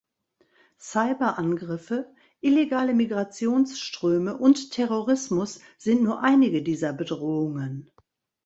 Cyber-Angriffe, illegale Migrationsströme und Terrorismus sind nur einige dieser Bedrohungen.